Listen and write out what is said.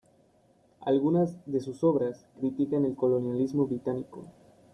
Algunas de sus obras critican el colonialismo británico.